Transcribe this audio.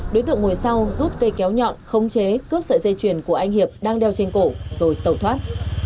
đối tượng ngồi sau rút cây kéo nhọn khống chế cướp sợi dây chuyền của anh hiệp đang đeo trên cổ rồi tẩu thoát